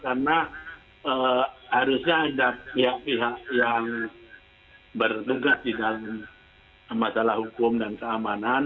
karena harusnya ada pihak pihak yang bertugas di dalam masalah hukum dan keamanan